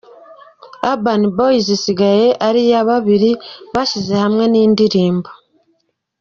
Urban Boys isigaye ari iya babiri bashyize hanze n’indirimbo